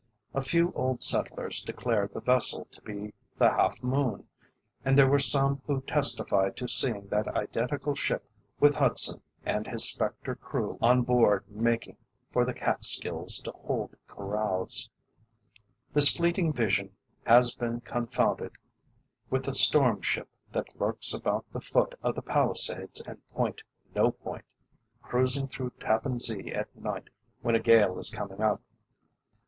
A few old settlers declared the vessel to be the Half Moon, and there were some who testified to seeing that identical ship with Hudson and his spectre crew on board making for the Catskills to hold carouse. This fleeting vision has been confounded with the storm ship that lurks about the foot of the Palisades and Point no Point, cruising through Tappan Zee at night when a gale is coming up.